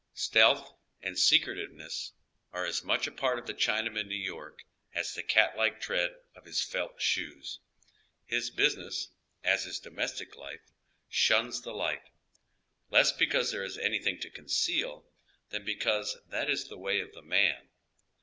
Stealth and secretiveness are as much part of the China man in !New York as the cat like tread of liis felt shoes. Ilia business, as his domestic life, shuns the light, less be cause there is anything to conceal than because tliat is the way of the man.